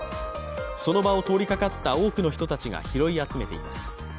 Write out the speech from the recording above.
その場を通りかかった多くの人たちが拾い集めています。